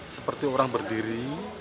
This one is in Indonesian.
seperti orang berdiri